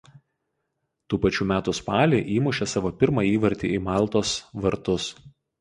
Tų pačių metų spalį įmušė savo pirmą įvartį į Maltos vartus.